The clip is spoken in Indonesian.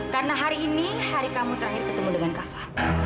karena hari ini hari kamu terakhir ketemu dengan kafa